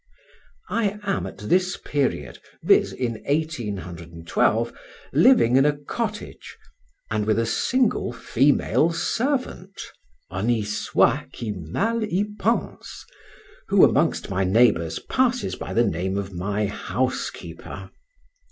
I am at this period—viz. in 1812—living in a cottage and with a single female servant (honi soit qui mal y pense), who amongst my neighbours passes by the name of my "housekeeper."